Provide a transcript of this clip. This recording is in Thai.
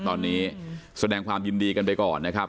ตอนนี้แสดงความยินดีกันไปก่อนนะครับ